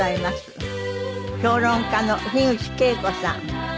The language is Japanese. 評論家の樋口恵子さん。